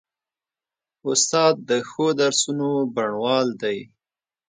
استاد د ښو درسونو بڼوال دی.